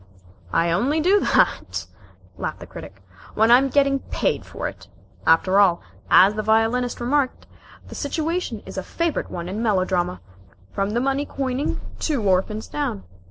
"I only do that," laughed the Critic, "when I'm getting paid for it. After all, as the Violinist remarked, the situation is a favorite one in melodrama, from the money coining 'Two Orphans' down.